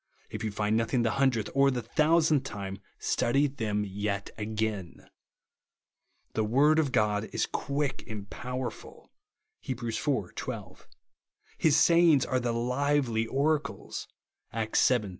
If you find nothing the hundredth or the thousandth time, study them yet again. " The word of God is qiiich and "powerful^' (Heb. iv. 12) ; his sayings are the " lively oracles," (Acts vii.